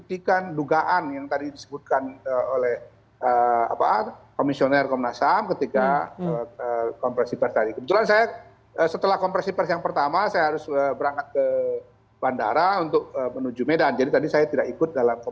tidak ada yang memastikan itu